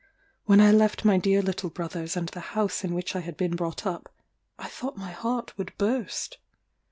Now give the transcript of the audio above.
When I left my dear little brothers and the house in which I had been brought up, I thought my heart would burst.